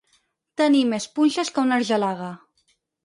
Tenir més punxes que una argelaga.